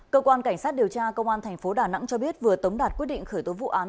cơ quan cảnh sát điều tra công an tp đà nẵng cho biết vừa tống đạt quyết định khởi tố vụ án